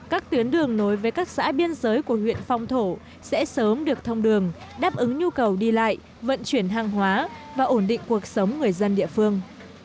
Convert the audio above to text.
các tuyến đường nối với các xã biên giới của huyện phong thổ sẽ sớm được thông đường đáp ứng nhu cầu đi lại vận chuyển hàng hóa và ổn định cuộc sống người dân địa phương